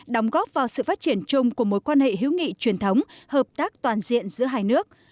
đóng góp vào sự phát triển chung của mối quan hệ hữu nghị truyền thống hợp tác toàn diện giữa hai nước